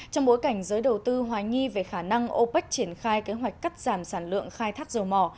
trong bối cảnh giới đầu tư hoài nghi về khả năng opec triển khai kế hoạch cắt giảm sản lượng khai thác dầu mỏ